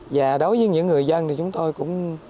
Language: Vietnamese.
và đối với những người dân thì chúng tôi cũng